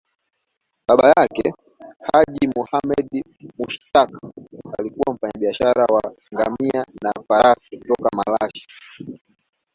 Baba yake, Haji Muhammad Mushtaq, alikuwa mfanyabiashara wa ngamia na farasi kutoka Malashi.